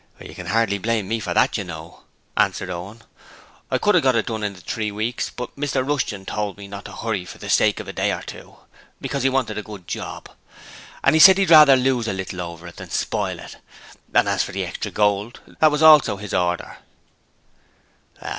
'You can hardly blame me for that, you know,' answered Owen. 'I could have got it done in the three weeks, but Mr Rushton told me not to hurry for the sake of a day or two, because he wanted a good job. He said he would rather lose a little over it than spoil it; and as for the extra gold, that was also his order.'